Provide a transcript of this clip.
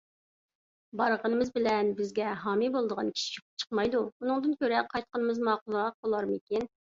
بارغىنىمىز بىلەن بىزگە ھامىي بولىدىغان كىشى چىقمايدۇ، ئۇنىڭدىن كۆرە قايتقىنىمىز ماقۇلراق بولارمىكىن؟